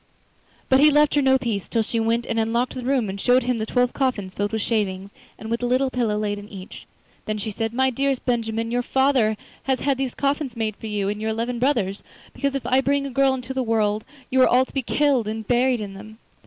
But he left her no peace, till she went and unlocked the room and showed him the twelve coffins filled with shavings, and with the little pillow laid in each. Then she said: 'My dearest Benjamin, your father has had these coffins made for you and your eleven brothers, because if I bring a girl into the world you are all to be killed and buried in them.